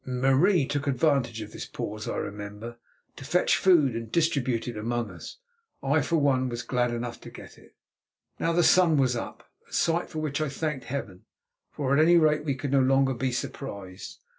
Marie took advantage of this pause, I remember, to fetch food and distribute it among us. I, for one, was glad enough to get it. Now the sun was up, a sight for which I thanked Heaven, for, at any rate, we could no longer be surprised.